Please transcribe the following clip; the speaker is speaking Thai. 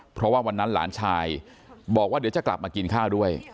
เพราะว่าวันนั้นหลานชายบอกว่าเดี๋ยวจะกลับมากินข้าวด้วย